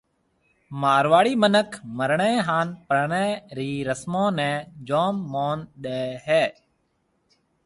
مارواڙي مِنک مرڻيَ ھان پرڻيَ رِي رسمون نيَ جام مون ڏَي ھيََََ